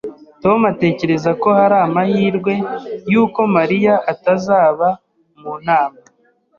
Tom atekereza ko hari amahirwe yuko Mariya atazaba mu nama